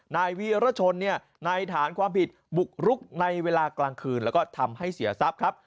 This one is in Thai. นายวีรชนในฐานความผิดบุกรุกในเวลากลางคืนแล้วก็ทำให้เสียทรัพย์ครับ